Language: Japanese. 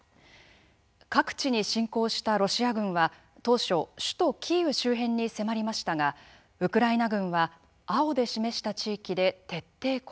各地に侵攻したロシア軍は当初首都キーウ周辺に迫りましたがウクライナ軍は青で示した地域で徹底抗戦。